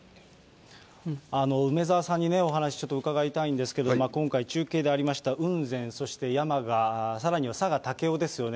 梅沢さんにお話しちょっと伺いたいんですけど、今回、中継でありました雲仙、山鹿、さらには佐賀・武雄ですよね。